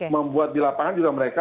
membuat di lapangan juga mereka